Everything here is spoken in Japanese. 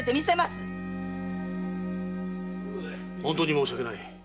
本当に申し訳ない！